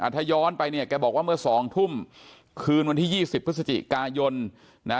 ถ้าย้อนไปเนี่ยแกบอกว่าเมื่อ๒ทุ่มคืนวันที่๒๐พฤศจิกายนนะ